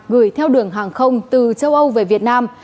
gửi theo đường hàng không từ châu âu về việt nam